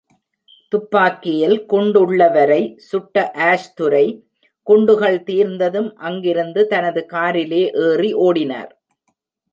துப்பாக்கியில் குண்டுள்ள வரை சுட்ட ஆஷ் துரை, குண்டுகள் தீர்ந்ததும் அங்கிருந்து தனது காரிலே ஏறி ஓடினார்.